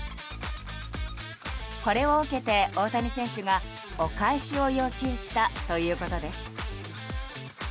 これを受けて大谷選手がお返しを要求したということです。